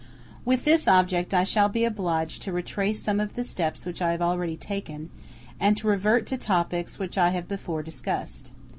With this object I shall be obliged to retrace some of the steps which I have already taken, and to revert to topics which I have before discussed.